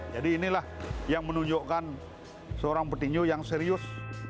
jadi inilah yang menunjukkan seorang peti tinyu yang serius